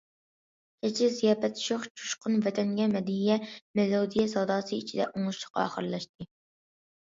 كەچلىك زىياپەت شوخ، جۇشقۇن« ۋەتەنگە مەدھىيە» مېلودىيە ساداسى ئىچىدە ئوڭۇشلۇق ئاخىرلاشتى.